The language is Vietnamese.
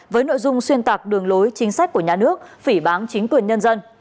với nội dung xuyên tạc đường lối chính sách của nhà nước phỉ bán chính quyền nhân dân